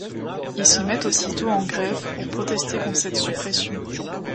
Ils se mettent aussitôt en grève pour protester contre cette suppression.